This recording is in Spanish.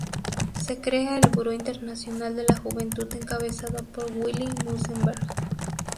Se crea el Buró Internacional de la Juventud encabezado por Willi Münzenberg.